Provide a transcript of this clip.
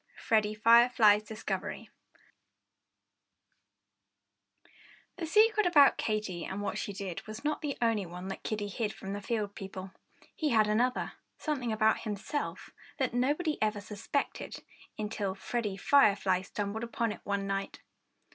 VI FREDDIE FIREFLY'S DISCOVERY That secret about Katy, and what she did, was not the only one that Kiddie hid from the field people. He had another something about himself that nobody ever suspected, until Freddie Firefly stumbled upon it one night.